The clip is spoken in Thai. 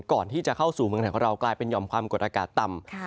ก่อนที่จะเข้าสู่เมืองไทยของเรากลายเป็นยอมความกดอากาศต่ำ